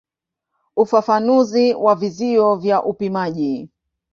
Ufafanuzi wa vizio vya upimaji.